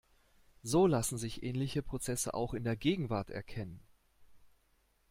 So lassen sich ähnliche Prozesse auch in der Gegenwart erkennen.